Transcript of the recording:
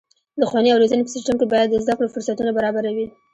د ښوونې او روزنې په سیستم کې باید د زده کړو فرصتونه برابره وي.